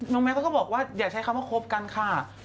น้องแม็กซ์ก็บอกว่าอย่าใช้คำว่าคบกันค่ะ